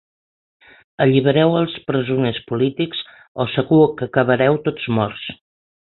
Allibereu els presoners polítics o segur que acabareu tots morts.